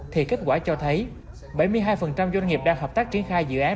thì kết quả cho thấy bảy mươi hai doanh nghiệp đang hợp tác triển khai dự án